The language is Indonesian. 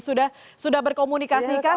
sudah berkomunikasi kah